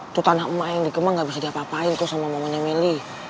tuh tanah emak yang dikema ga bisa diapa apain kok sama mamanya meli